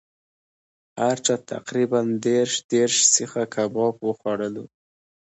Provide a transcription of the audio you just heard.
هر چا تقریبأ دېرش دېرش سیخه کباب وخوړلو.